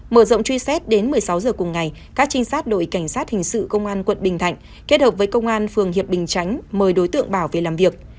mở rộng truy xét đến một mươi sáu h cùng ngày các trinh sát đội cảnh sát hình sự công an quận bình thạnh kết hợp với công an phường hiệp bình chánh mời đối tượng bảo về làm việc